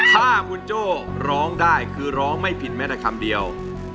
ถ้าคุณโจ้ร้องได้คือร้องไม่ผิดแม้แต่คำเดียว